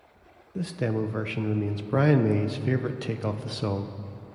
This demo version remains Brian May's favourite take of the song.